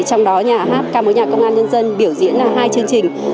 trong đó nhà hát ca mối nhạc công an nhân dân biểu diễn là hai chương trình